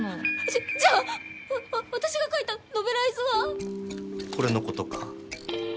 じゃじゃあわ私が書いたノベライズは？これの事か。